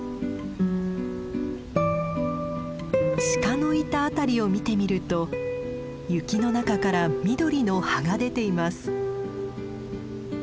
シカのいた辺りを見てみると雪の中から緑の葉が出ています。